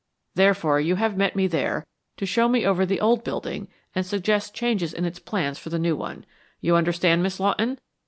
Therefore, you have met me there to show me over the old building and suggest changes in its plans for the new one. You understand, Miss Lawton?